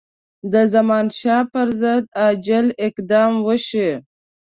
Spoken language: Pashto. د زمانشاه پر ضد عاجل اقدام وشي.